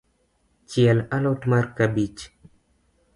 Chiel a lot mar kabich.